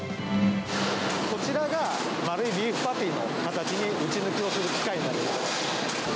こちらが丸いビーフパティの形に打ち抜きをする機械になります。